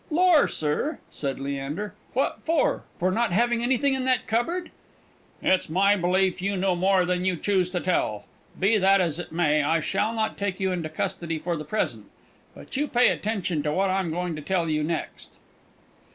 "Lor', sir!" said Leander, "what for for not having anything in that cupboard?" "It's my belief you know more than you choose to tell. Be that as it may, I shall not take you into custody for the present; but you pay attention to what I'm going to tell you next.